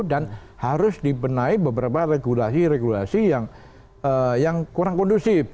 dan harus dipenai beberapa regulasi regulasi yang kurang kondusif